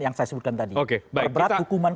yang saya sebutkan tadi perberat hukuman